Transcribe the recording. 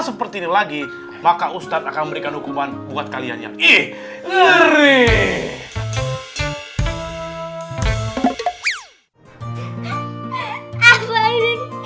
seperti ini lagi maka ustadz akan memberikan hukuman buat kalian ya ih ngeri